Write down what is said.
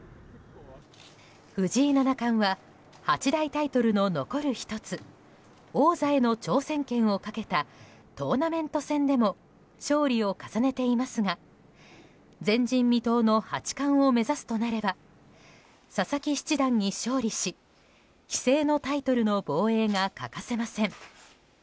藤井七冠は八大タイトルの残る１つ王座への挑戦権をかけたトーナメント戦でも勝利を重ねていますが前人未到の八冠を目指すとなれば佐々木七段に勝利し棋聖のタイトルの防衛が欠かせません。